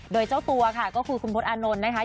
โดยเจ้าตัวคีย์คือคุณโพธิ์อานมูนนะคะ